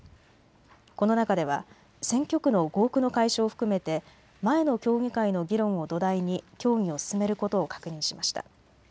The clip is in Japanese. この中では選挙区の合区の解消を含めて前の協議会の議論を土台に協議を進めることを確認しました。